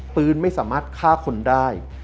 ปืนไม่สามารถฆ่าคนได้